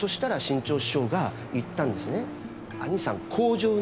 「兄さん」